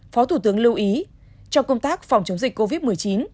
phó thủ tướng lưu ý trong công tác phòng chống dịch covid một mươi chín